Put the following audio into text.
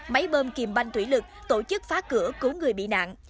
máy bơm kìm banh thủy lực tổ chức phá cửa cứu người bị nạn